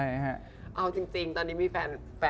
ตอนแรกยาวกว่านี้แล้วเพิ่งตัดได้๒อาทิตย์มั้งค่ะ